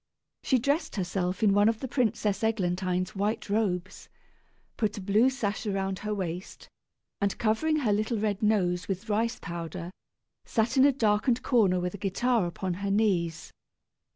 She dressed herself in one of the Princess Eglantine's white robes, put a blue sash around her waist, and covering her little red nose with rice powder, sat in a darkened corner with a guitar upon her knees.